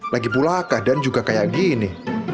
lagi pulaka dan juga kayak gini